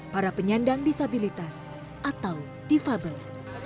para penyendang disabilitas atau defable